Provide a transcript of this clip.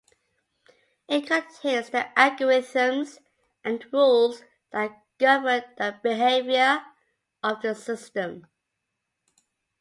It contains the algorithms and rules that govern the behavior of the system.